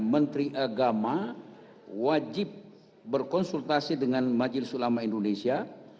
menteri agama wajib berkonsultasi dengan majelis ulama indonesia